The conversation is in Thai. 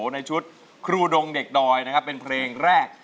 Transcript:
ในชุดครูดงเด็กดอยนะครับเป็นเพลงแรก